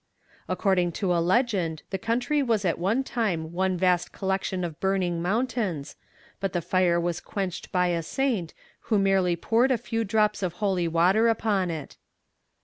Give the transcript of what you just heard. According to a legend, the country was at one time one vast collection of burning mountains, but the fire was quenched by a saint, who merely poured a few drops of holy water upon it.